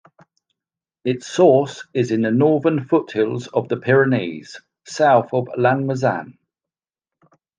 Its source is in the northern foothills of the Pyrenees, south of Lannemezan.